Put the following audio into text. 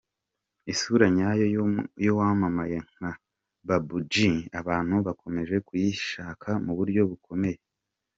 Isura nyayo y’uwamamaye nka Babou-G, abantu bakomeje kuyishaka mu buryo bukomeye.